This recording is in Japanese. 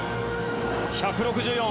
１６４！